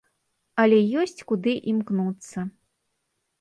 Але ёсць куды імкнуцца.